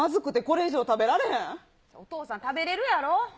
お父さん食べれるやろ？